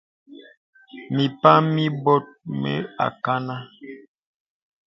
Mì mpàŋ mì bɔ̀t bə akənâ.